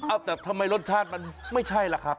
อ้าวแต่ทำไมรสชาติมันไม่ใช่ละคะ